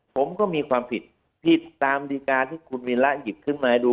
ผมก็มีความผิดผิดตามดีการที่คุณมีระหยิบขึ้นมาให้ดู